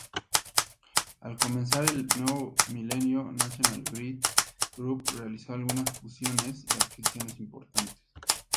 Al comenzar el nuevo milenio, National Grid Group realizó algunas fusiones y adquisiciones importantes.